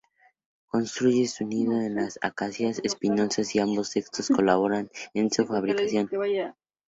Construye su nido en las acacias espinosas y ambos sexos colaboran en su fabricación.